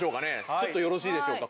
ちょっとよろしいでしょうか？